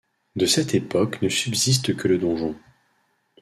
De cette époque ne subsiste que le donjon.